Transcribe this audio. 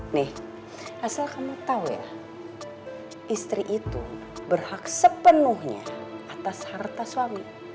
nih asal kamu tahu ya istri itu berhak sepenuhnya atas harta suami